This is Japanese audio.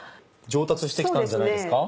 上達して来たんじゃないですか？